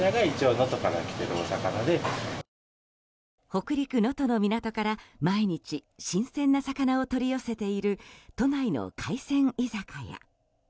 北陸・能登の港から毎日新鮮な魚を取り寄せている都内の海鮮居酒屋。